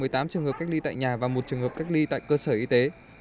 một mươi tám trường hợp cách ly tại nhà và một trường hợp cách ly tại cơ sở y tế